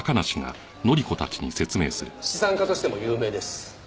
資産家としても有名です。